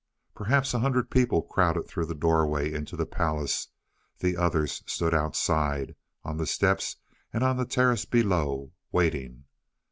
Perhaps a hundred people crowded through the doorway into the palace; the others stood outside on the steps and on the terrace below waiting.